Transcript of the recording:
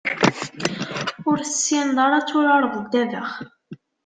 Ur tessineḍ ara ad turareḍ ddabex.